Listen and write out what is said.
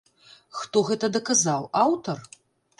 Хто гэта даказаў, аўтар?